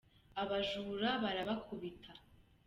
abajura barabakubita